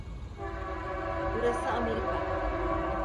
Burası Amerika.